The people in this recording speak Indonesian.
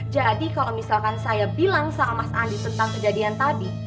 jadi kalau misalkan saya bilang sama mas andi tentang kejadian tadi